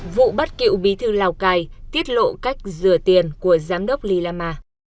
vụ bắt cựu bí thư lào cai tiết lộ cách rửa tiền của giám đốc lilama